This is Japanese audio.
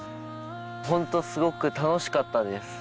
ホントすごく楽しかったです。